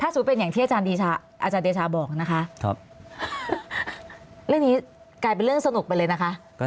เป็นอย่างที่อาจารย์เดชาบอกนะคะเรื่องนี้กลายเป็นเรื่องสนุกไปเลยนะคะ